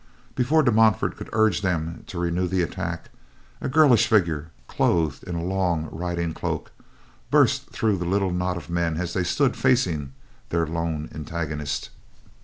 Before De Montfort could urge them on to renew the attack, a girlish figure, clothed in a long riding cloak, burst through the little knot of men as they stood facing their lone antagonist.